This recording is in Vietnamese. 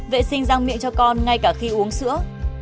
vệ sinh răng miệng cho con ngay cả khi uống sữa